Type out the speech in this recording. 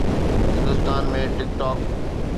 Hindustan ۾ ٽڪ talk